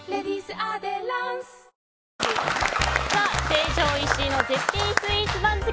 成城石井の絶品スイーツ番付